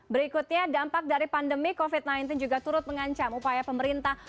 berikutnya dampak dari pandemi covid sembilan belas juga turut mengancam upaya pemerintah